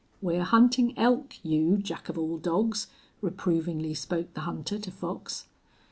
"We're huntin' elk, you Jack of all dogs," reprovingly spoke the hunter to Fox.